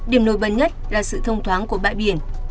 điểm nổi bật nhất là sự thông thoáng của bãi biển